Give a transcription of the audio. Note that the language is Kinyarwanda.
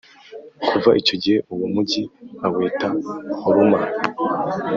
kuva icyo gihe uwo mugi bawita horuma